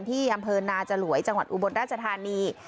ที่อำเภอนาจลวยจังหวัดอุบลราชธานี